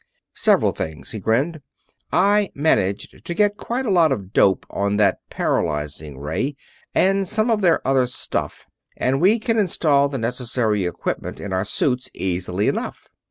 "Several things," he grinned. "I managed to get quite a lot of dope on that paralyzing ray and some of their other stuff, and we can install the necessary equipment in our suits easily enough."